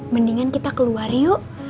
mendingan kita keluar yuk